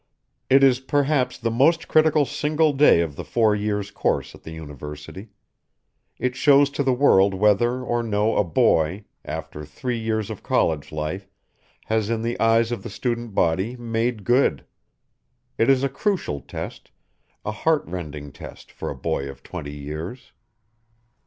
It is, perhaps, the most critical single day of the four years' course at the University. It shows to the world whether or no a boy, after three years of college life, has in the eyes of the student body "made good." It is a crucial test, a heart rending test for a boy of twenty years.